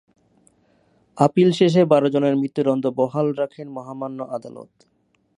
Appeal শেষে বারো জনের মৃত্যুদণ্ড বহাল রাখেন মহামান্য আদালত।